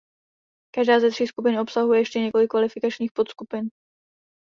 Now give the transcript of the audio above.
Každá ze tří skupin obsahuje ještě několik kvalifikačních podskupin.